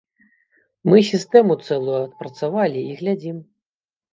Мы сістэму цэлую адпрацавалі і глядзім.